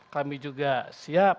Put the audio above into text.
kami juga siap